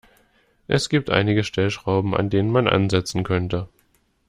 Es gibt einige Stellschrauben, an denen man ansetzen könnte.